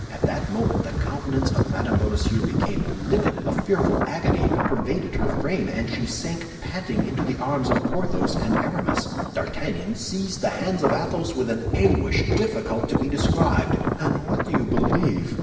At that moment the countenance of Mme. Bonacieux became livid; a fearful agony pervaded her frame, and she sank panting into the arms of Porthos and Aramis. D'Artagnan seized the hands of Athos with an anguish difficult to be described. "And what do you believe?"